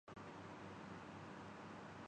اسکندر مرزا نے بتایا کہ